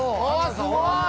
◆すごい！